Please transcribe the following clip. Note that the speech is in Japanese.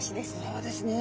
そうですね。